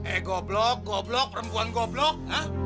eh goblok goblok perempuan goblok